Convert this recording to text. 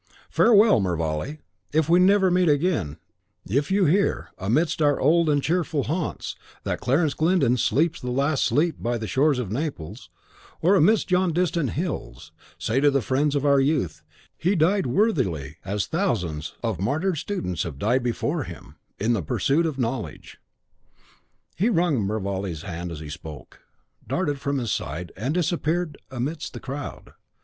Farewell, Mervale; if we never meet again, if you hear, amidst our old and cheerful haunts, that Clarence Glyndon sleeps the last sleep by the shores of Naples, or amidst yon distant hills, say to the friends of our youth, 'He died worthily, as thousands of martyr students have died before him, in the pursuit of knowledge.'" He wrung Mervale's hand as he spoke, darted from his side, and disappeared amidst the crowd.